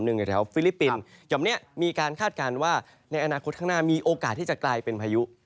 ในอนาคตข้างหน้ามีโอกาสที่จะกลายเป็นภรรยุ